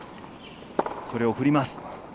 それを振ります。